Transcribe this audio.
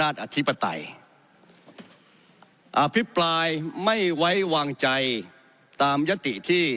อธิปไตยอภิปรายไม่ไว้วางใจตามยติที่